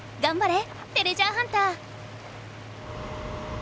てれジャーハンター！